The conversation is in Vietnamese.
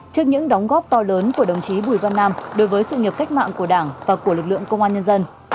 trước những đóng góp to lớn của đồng chí bùi văn nam đối với sự nghiệp cách mạng của đảng và của lực lượng công an nhân dân